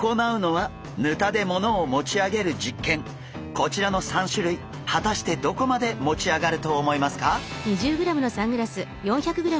こちらの３種類果たしてどこまで持ち上がると思いますか？